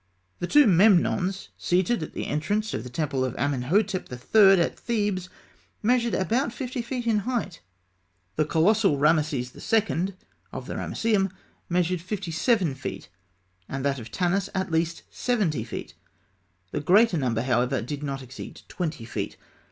The two Memnons seated at the entrance of the temple of Amenhotep III., at Thebes, measured about fifty feet in height. The colossal Rameses II. of the Ramesseum measured fifty seven feet, and that of Tanis at least seventy feet. The greater number, however, did not exceed twenty feet.